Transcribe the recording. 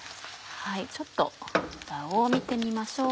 ちょっと裏を見てみましょう。